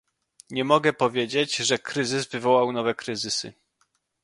Nie mogę powiedzieć, że kryzys wywołał nowe kryzysy